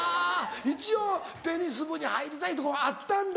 一応テニス部に入りたいとかはあったんだ。